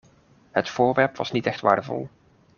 Het voorwerp was niet echt waardevol.